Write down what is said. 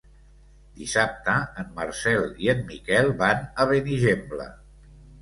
Dissabte en Marcel i en Miquel van a Benigembla.